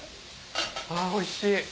あおいしい。